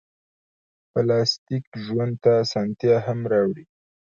پلاستيک ژوند ته اسانتیا هم راوړي.